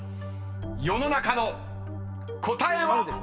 ［世の中の答えは⁉］